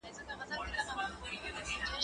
کېدای سي درسونه سخت وي؟